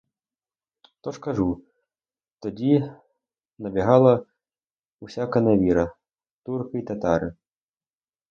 То ж, кажу, тоді набігала усяка невіра — турки й татари.